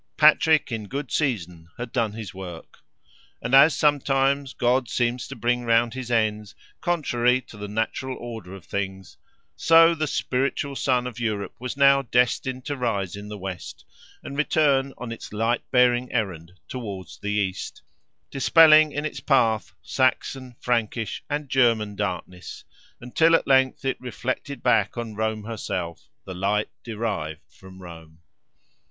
Patrick, in good season, had done his work. And as sometimes, God seems to bring round His ends, contrary to the natural order of things, so the spiritual sun of Europe was now destined to rise in the West, and return on its light bearing errand towards the East, dispelling in its path, Saxon, Frankish, and German darkness, until at length it reflected back on Rome herself, the light derived from Rome.